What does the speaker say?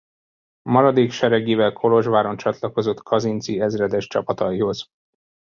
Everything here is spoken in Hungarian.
Maradék seregével Kolozsváron csatlakozott Kazinczy ezredes csapataihoz.